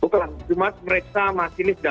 betul jumat mereka masih